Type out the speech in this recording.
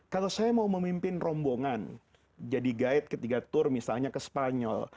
kalau saya mau memimpin rombongan jadi guide ketiga tour misalnya ke spanyol